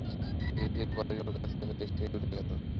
ধীরে ধীরে পরেশবাবুর কাছ হইতে সে উঠিয়া গেল।